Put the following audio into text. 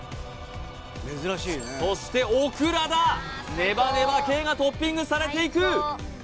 そしてオクラだネバネバ系がトッピングされていく